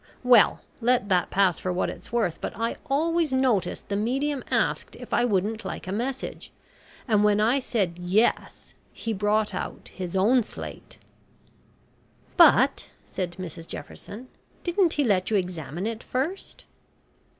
Well, let that pass for what it's worth, but I always noticed the medium asked if I wouldn't like a message, and when I said `yes,' he brought out his own slate." "But," said Mrs Jefferson, "didn't he let you examine it first?"